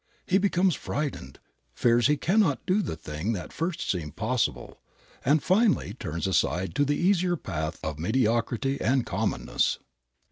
He becomes frightened, fears he cannot do the thing that at first seemed possible, and finally turns aside to the easier path of mediocrity and commonness.